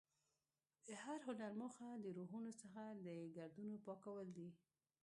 د هنر موخه د روحونو څخه د ګردونو پاکول دي.